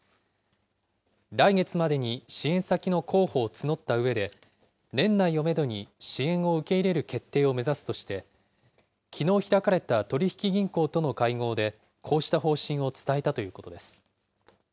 来月までに支援先の候補を募ったうえで、年内をメドに支援を受け入れる決定を目指すとして、きのう開かれた取り引き銀行との会合で、こうした方針を伝えたということです。